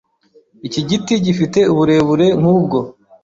Iki giti gifite uburebure nkubwo.